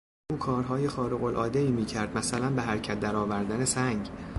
او کارهای خارقالعادهای میکرد مثلا به حرکت درآوردن سنگ.